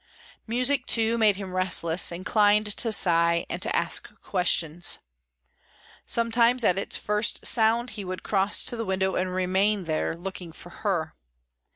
Music, too, made him restless, inclined to sigh, and to ask questions. Sometimes, at its first sound, he would cross to the window and remain there looking for Her.